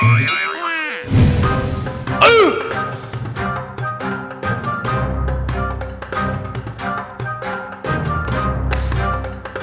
tidak tidak tidak